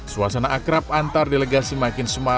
suasana akrab antar delegasi makin semangat